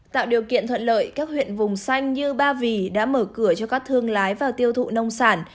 tạo điều kiện thuận lợi các huyện vùng xanh như ba vì đã mở cửa cho các thương lái vào tiêu thụ nông sản